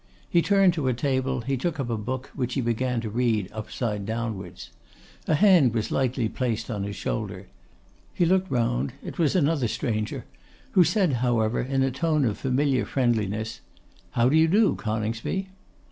He turned to a table, he took up a book, which he began to read upside downwards. A hand was lightly placed on his shoulder. He looked round, it was another stranger; who said, however, in a tone of familiar friendliness, 'How do you do, Coningsby?